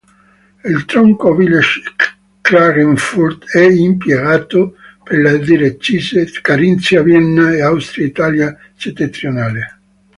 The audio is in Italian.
Il tronco Villach-Klagenfurt è impiegato per le direttrici Carinzia-Vienna e Austria-Italia settentrionale.